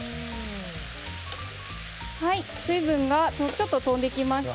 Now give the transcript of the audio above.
水分がちょっと飛んできました。